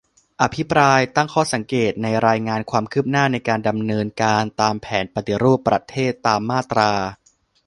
อภิปรายตั้งข้อสังเกต ในรายงานความคืบหน้าในการดำเนินการตามแผนปฏิรูปประเทศตามมาตรา